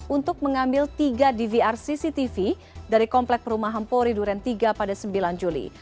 untuk mengambil tiga dvr cctv dari komplek perumahan pori duren tiga pada sembilan juli